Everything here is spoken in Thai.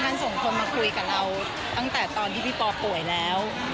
ส่งคนมาคุยกับเราตั้งแต่ตอนที่พี่ปอป่วยแล้ว